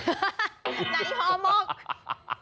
ไหนห่อหมก